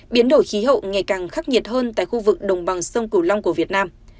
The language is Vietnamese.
biến đổi khí hậu ngày càng khắc nghiệt hơn tại khu vực đồng bằng sông cửu long của việt nam